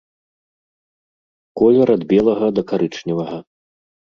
Колер ад белага да карычневага.